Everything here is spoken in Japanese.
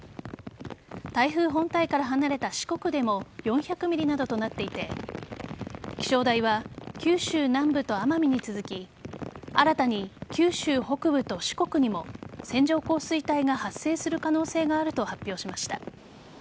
台風本体から離れた四国でも４００ｍｍなどとなっていて気象台は九州南部と奄美に続き新たに九州北部と四国にも線状降水帯が発生する可能性があると発表しました。